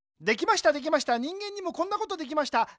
できましたできました人間にもこんなことできました。